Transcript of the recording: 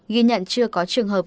ghi nhận chưa có trường hợp